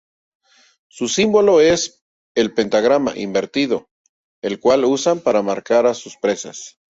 Su símbolo es el pentagrama invertido, el cual usan para marcar a sus presas.